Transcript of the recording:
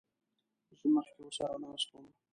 زه مخکې ورسره ناست وم.